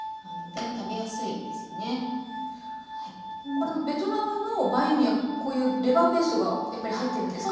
これベトナムのバインミーはこういうレバーペーストがやっぱり入ってるんですか？